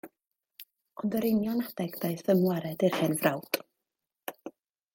Ond yr union adeg daeth ymwared i'r hen frawd.